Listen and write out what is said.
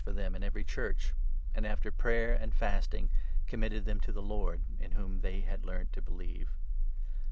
for them in every Church, and, after prayer and fasting, commended them to the Lord in whom they had learnt to believe".